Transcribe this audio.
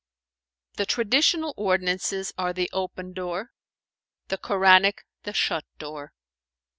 "The Traditional Ordinances are the open door, the Koranic the shut door."